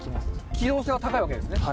機動性は高いわけですね。